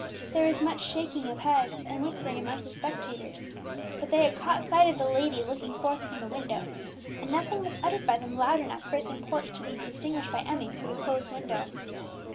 There was much shaking of heads and whispering amongst these spectators; but they had caught sight of the lady looking forth from the window, and nothing was uttered by them loud enough for its import to be distinguished by Emmie through the closed window.